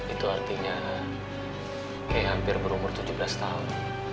itu artinya hampir berumur tujuh belas tahun